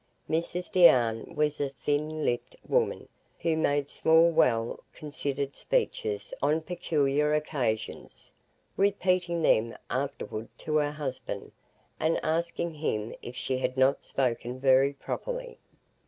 Mrs Deane was a thin lipped woman, who made small well considered speeches on peculiar occasions, repeating them afterward to her husband, and asking him if she had not spoken very properly.